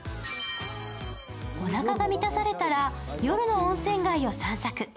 おなかが満たされたら、夜の温泉街を散策。